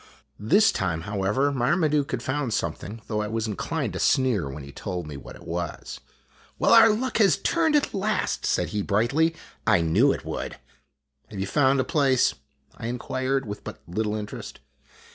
This time, however, Marmaduke had found something though I was inclined to sneer when he told me what it was. THE TONGALOO TOURNAMENT 15 " Well, our luck has turned at last !" said he, brightly. " I knew it would." " Have you found a place? " I inquired, with but little interest.